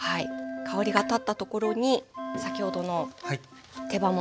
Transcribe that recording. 香りが立ったところに先ほどの手羽元いきます。